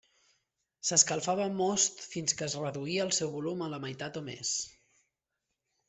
S'escalfava most fins que es reduïa el seu volum a la meitat o més.